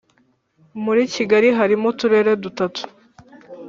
muri kigali harimo uturere dutatu